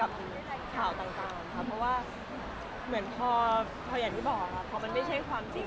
รู้สึกแย่บ้างวันเตือนจะเรื่องอย่างกันต่าง